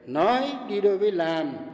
nói đi đôi với làm